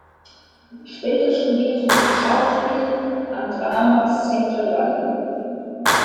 Später studierte sie Schauspiel am Drama Centre London.